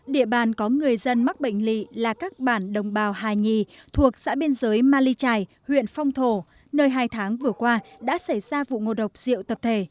địa bàn có người dân mắc bệnh lị là các bản đồng bào hà nhì thuộc xã biên giới ma ly trài huyện phong thổ nơi hai tháng vừa qua đã xảy ra vụ ngộ độc rượu tập thể